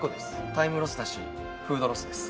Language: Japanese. タイムロスだしフードロスです。